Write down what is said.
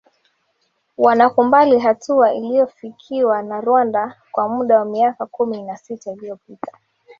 wanakumbali hatua iliyofikiwa na rwanda kwa muda wa miaka kumi na sita iliopita